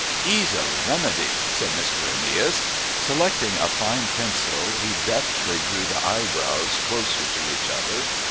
"Easily remedied!" said Mr. Aeneas. Selecting a fine pencil, he deftly drew the eyebrows closer to each other.